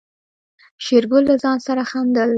شېرګل له ځان سره خندل.